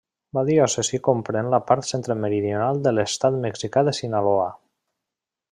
La diòcesi comprèn la part centre-meridional de l'estat mexicà de Sinaloa.